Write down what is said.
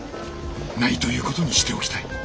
ないということにしておきたい。